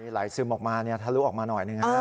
ไหลซึมออกมาทะลุออกมาหน่อยหนึ่ง